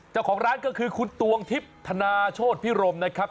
เจ้าของร้านก็คือคุณตวงทิพย์ธนาโชธพิรมนะครับ